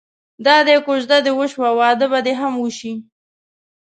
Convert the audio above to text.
دادی کوژده دې وشوه واده به دې هم وشي.